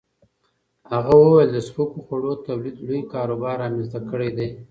هغه وویل د سپکو خوړو تولید لوی کاروبار رامنځته کړی دی.